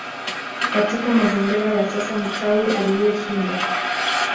Katika mazingira ya sasa mchawi aliyeshind